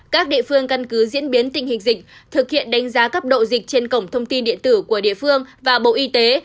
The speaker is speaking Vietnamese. các địa phương căn cứ diễn biến tình hình dịch thực hiện đánh giá cấp độ dịch trên cổng thông tin điện tử của địa phương và bộ y tế